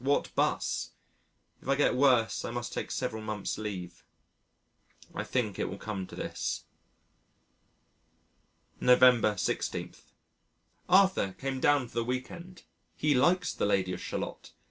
What 'bus? If I get worse, I must take several months' leave. I think it will come to this. November 16. Arthur came down for the week end. He likes the Lady of Shalott.